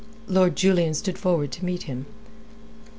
Lord Julian stood forward to meet him.